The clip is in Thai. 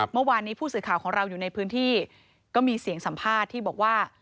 เมื่อวานนี้ผู้สื่อข่าวของเราอยู่ในพื้นที่ก็มีเสียงสัมภาษณ์ที่บอกว่า